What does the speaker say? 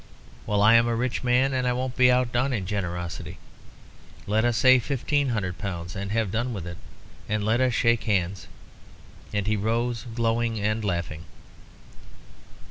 Well, I am a rich man and I won't be outdone in generosity. Let us say fifteen hundred pounds, and have done with it. And let us shake hands;" and he rose, glowing and laughing.